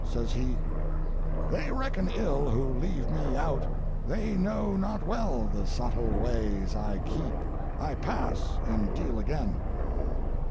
Says he: "'They reckon ill who leave me out; They know not well the subtle ways I keep. I pass and deal again!'